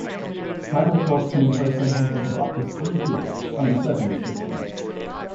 Tribal courts can impose sentences of up to three years, under certain restrictions.